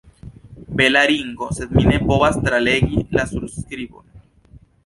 Bela ringo, sed mi ne povas tralegi la surskribon.